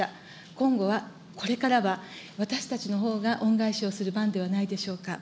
今後は、これからは私たちのほうが恩返しをする番ではないでしょうか。